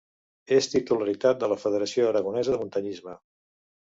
És titularitat de la Federació Aragonesa de Muntanyisme.